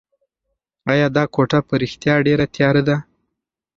ایا دا کوټه په رښتیا ډېره تیاره ده؟